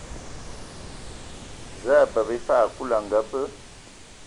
Zǝǝ a bǝbǝ mfag Kulu a ngabǝ.